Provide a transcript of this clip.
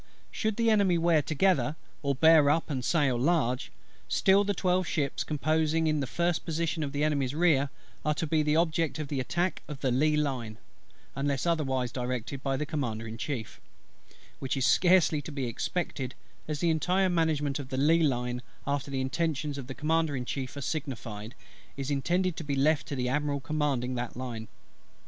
Should the Enemy wear together, or bear up and sail large, still the twelve ships composing in the first position the Enemy's rear, are to be the object of attack of the lee line, unless otherwise directed by the Commander in Chief: which is scarcely to be expected; as the entire management of the lee line, after the intentions of the Commander in Chief are signified, is intended to be left to the Admiral commanding that line.